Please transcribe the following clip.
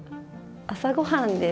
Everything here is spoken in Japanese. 朝ごはんです。